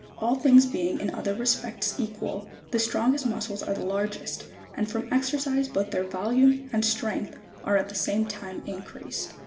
69. All things being in other respects equal, the strongest mus cles are the largest, and from exercise both their volume and strength are at the same time increased.